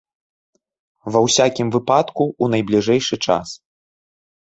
Ва ўсякім выпадку, у найбліжэйшы час.